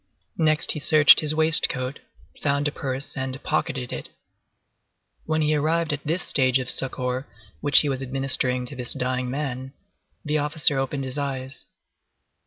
Next he searched his waistcoat, found a purse and pocketed it. When he had arrived at this stage of succor which he was administering to this dying man, the officer opened his eyes.